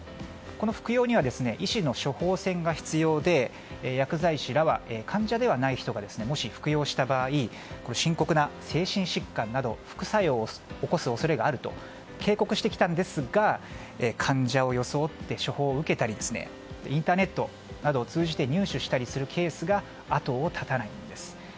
服用には医師の処方箋が必要で薬剤師らは患者ではない人がもし服用した場合深刻な精神疾患など副作用を起こす恐れがあると警告してきたんですが患者を装って処方を受けたりインターネットなどを通じて入手するケースが後を絶たないんです。